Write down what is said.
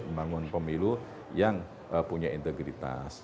membangun pemilu yang punya integritas